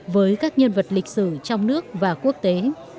với các nhân vật lịch sử trong nước và quốc tế